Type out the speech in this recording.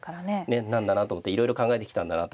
ええなんだなと思っていろいろ考えてきたんだなと。